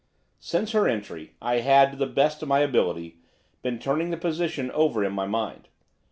Since her entry, I had, to the best of my ability, been turning the position over in my mind.